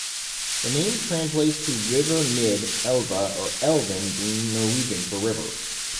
The name translates to "River Nid", "Elva" or "Elven" being Norwegian for river.